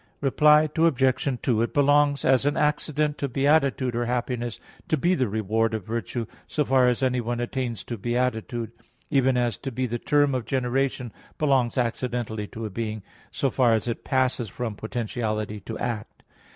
Reply Obj. 2: It belongs as an accident to beatitude or happiness to be the reward of virtue, so far as anyone attains to beatitude; even as to be the term of generation belongs accidentally to a being, so far as it passes from potentiality to act.